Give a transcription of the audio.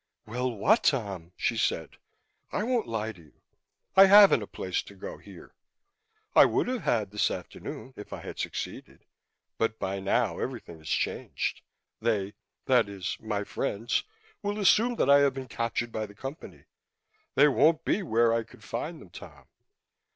"Well what, Tom?" she said. "I won't lie to you I haven't a place to go to here. I would have had, this afternoon, if I had succeeded. But by now, everything has changed. They that is, my friends will assume that I have been captured by the Company. They won't be where I could find them, Tom.